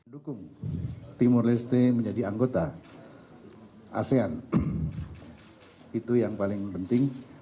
dukung timur leste menjadi anggota asean itu yang paling penting